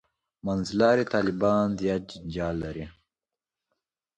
«منځلاري طالبان» زیات جنجال لري.